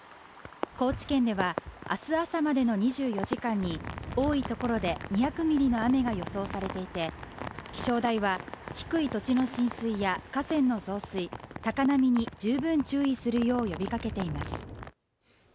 高知県ではあす朝までの２４時間に多い所で２００ミリの雨が予想されていて気象台は低い土地の浸水や河川の増水高波に十分注意するよう呼びかけています